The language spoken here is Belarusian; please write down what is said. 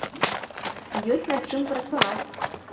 Ёсць над чым працаваць.